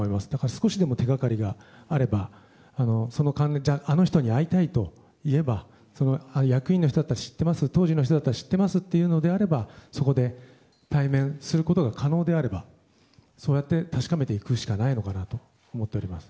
少しでも手がかりがあればあの人に会いたいといえば役員の人だったら知ってます当時の人だったら知ってますということであればそこで対面することが可能であればそうやって確かめていくしかないのかなと思っております。